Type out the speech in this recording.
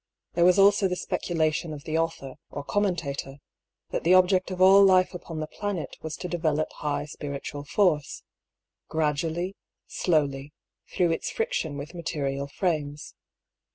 There was also the speculation of the author (or commentator), that the object of all life upon the planet was to develop high spiritual force: gradually, slowly, through its friction with material frames.